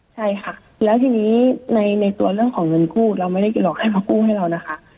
ใช่ค่ะแล้วทีนี้ในตัวเรื่องของเงินกู้เราไม่ได้หรอกให้มากู้ให้เรานะคะ